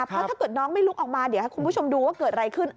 เพราะถ้าเกิดน้องไม่ลุกออกมาเดี๋ยวให้คุณผู้ชมดูว่าเกิดอะไรขึ้น